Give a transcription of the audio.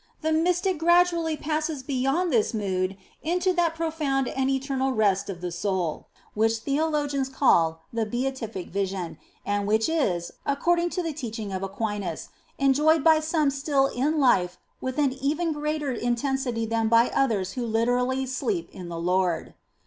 The mystic gradually passes beyond this mood into that profound and eternal rest of the soul, which theologians call the Beatific Vision, and which is, according to the teaching of Aquinas, enjoyed by some still in life with an even greater intensity than by others who literally " sleep in the Lord."